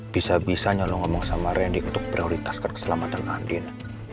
bisa bisanya lo ngomong sama reni untuk prioritaskan keselamatan anding